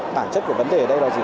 bản chất của vấn đề ở đây là gì